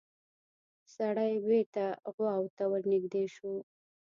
سړی بېرته غواوو ته ورنږدې شو.